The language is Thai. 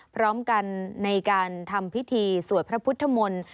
พร้อมกันในการทำพิธีสวดพระพุทธมนตร์